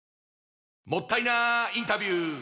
もったいなインタビュー！